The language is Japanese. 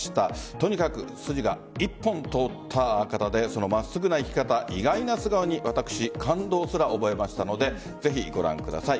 とにかく筋が一本通った方で真っすぐな生き方意外な素顔に私、感動すら覚えましたのでぜひご覧ください。